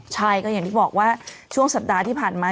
ใช่ก็อย่างที่บอกว่าช่วงสัปดาห์ที่ผ่านมา